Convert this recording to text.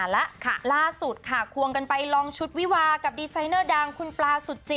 แล้วล่าสุดค่ะควงกันไปลองชุดวิวากับดีไซเนอร์ดังคุณปลาสุจิ